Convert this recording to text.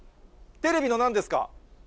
テレビのなんですか？